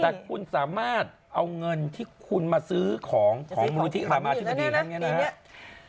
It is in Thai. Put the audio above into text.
แต่คุณสามารถเอาเงินที่คุณมาซื้อของของมูลที่รามาธิบดีครั้งนี้นะครับ